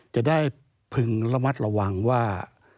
จะได้พึงระมัดระวังว่า